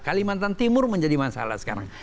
kalimantan timur menjadi masalah sekarang